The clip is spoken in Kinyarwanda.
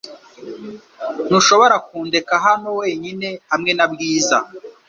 Ntushobora kundeka hano wenyine hamwe na Bwiza .